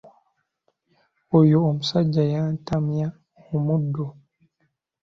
Oyo omusajja yantamya omuddo.